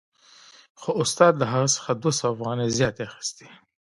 خو استاد له هغه څخه دوه سوه افغانۍ زیاتې اخیستې